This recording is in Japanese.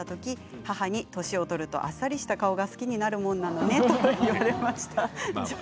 母に年を取るとあっさりした顔が好きになるもんなんだねと言われました。